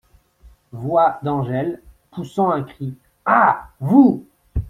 Voix d’Angèle , poussant un cri. — Ah ! vous !…